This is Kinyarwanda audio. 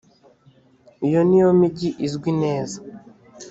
iyo ni yo migi izwi neza